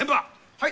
はい！